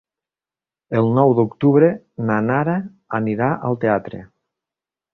El nou d'octubre na Nara anirà al teatre.